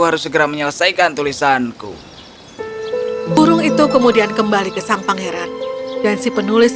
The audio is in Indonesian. harus segera menyelesaikan tulisanku burung itu kemudian kembali ke sang pangeran dan si penulis